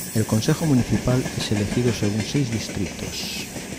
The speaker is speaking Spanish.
El consejo municipal es elegido según seis distritos.